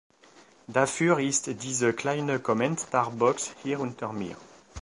Dafür ist diese kleine Kommentarbox hier unter mir.